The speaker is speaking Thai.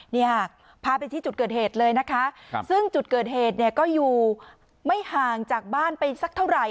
นี่ค่ะพาไปที่จุดเกิดเหตุเลยนะคะซึ่งจุดเกิดเหตุเนี่ยก็อยู่ไม่ห่างจากบ้านไปสักเท่าไหร่